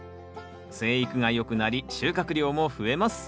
生育がよくなり収穫量も増えます